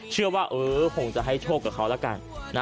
เชื่อว่าคงจะให้โชคกับเขาแล้วกัน